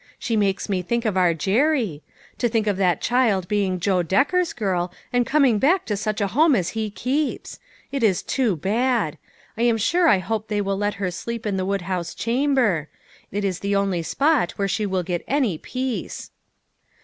She makes me think of our Jerry. To think of that child being Joe Decker's girl and coming back to such a home as he keeps ! It is too bad ! I am sure I hope they will let her sleep in the woodhouse chamber. It is the only spot where she will get any peace."